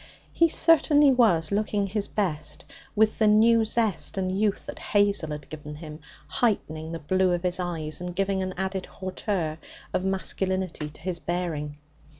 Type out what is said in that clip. He certainly was looking his best, with the new zest and youth that Hazel had given him heightening the blue of his eyes and giving an added hauteur of masculinity to his bearing.